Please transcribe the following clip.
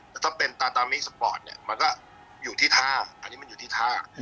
แต่ถ้าเป็นตาตามีสปอร์ตเนี่ยมันก็อยู่ที่ท่าอันนี้มันอยู่ที่ท่า